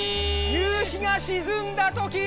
夕日が沈んだときー！